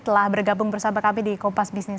telah bergabung bersama kami di kompas bisnis